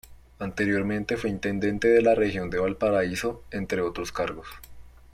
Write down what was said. Anteriormente fue intendente de la Región de Valparaíso, entre otros cargos.